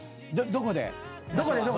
どこで？